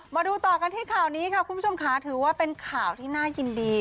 มาดูต่อกันที่ข่าวนี้ค่ะคุณผู้ชมค่ะถือว่าเป็นข่าวที่น่ายินดี